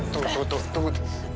tuh tuh tuh